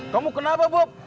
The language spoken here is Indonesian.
kamu kenapa bob